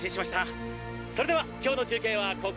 それでは今日の中継はここまでです！